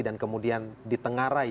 dan kemudian ditengarai